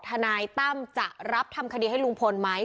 ทนายตั้มจะรับทำคดีให้ลุงพลไหม